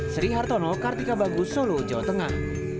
sri hartono kartika bagus solo jawa tengah